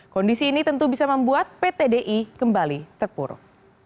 kondisi ini tentu bisa membuat pt di kembali terpuruk